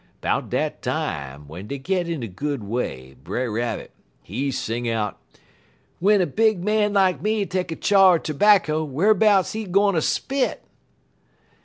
'Bout dat time, w'en dey get in a good way, Brer Rabbit, he sing out: "'W'en a big man like me take a chaw terbacker, wharbouts he gwine ter spit?'